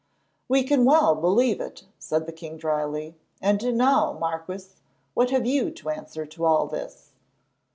"We can well believe it," said the king drily. "And now, Marquis, what have you to answer to all this?"